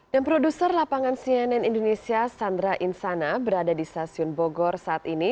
dan produser lapangan cnn indonesia sandra insana berada di stasiun bogor saat ini